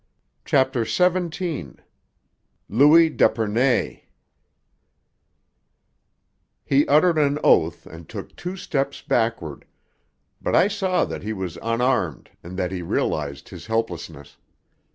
CHAPTER XVII LOUIS D'EPERNAY He uttered an oath and took two steps backward, but I saw that he was unarmed and that he realized his helplessness.